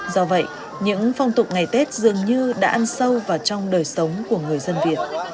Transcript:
do vậy những phong tục ngày tết dường như đã ăn sâu vào trong đời sống của người dân việt